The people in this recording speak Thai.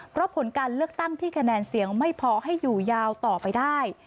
เพราะผลการเลือกตั้งที่คะแนนเสียงไม่พอให้อยู่ยาวต่อไปได้